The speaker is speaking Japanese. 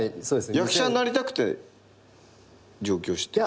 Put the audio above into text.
役者になりたくて上京してきたの？